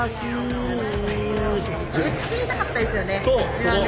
打ちきりたかったですよねうちはね。